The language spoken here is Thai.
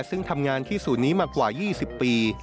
ซึ่งทำงานที่ศูนย์นี้มากว่า๒๐ปี